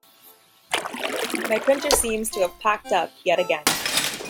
My printer seems to have packed up yet again.